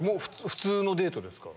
普通のデートですか？